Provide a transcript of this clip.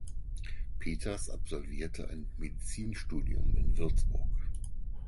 Peters absolvierte ein Medizinstudium in Würzburg.